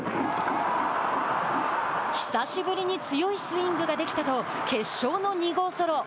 久しぶりに強いスイングができたと決勝の２号ソロ。